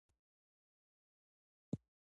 یو خبریال روغتون ته ولاړ.